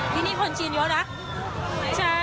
ตรงนี้คนชีนเยอะนะ